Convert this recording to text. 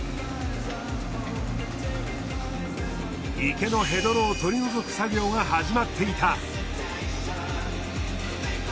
池のヘドロを取り除く作業が始まっていた。